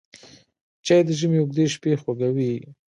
چای د ژمي اوږدې شپې خوږوي